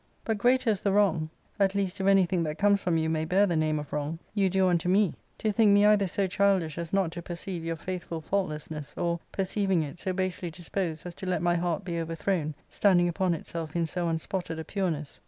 But greater is this wrong — at least, if anything that comes from you may bear the name of wrong — you do unto me, to think me either so childish as not to perceive your faithful faultlessness, of, perceiving it, so basely disposed as to let my heart be over* thrown, standing upon itself in so unspotted a pureness.